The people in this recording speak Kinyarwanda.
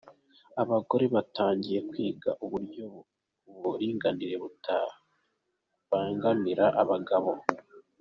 Abagore batangiye kwiga uburyo uburinganire butabangamira abagabo